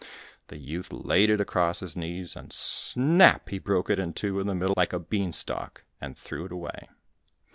The youth laid it across his knees, and snap! he broke it in two in the middle like a bean stalk, and threw it away.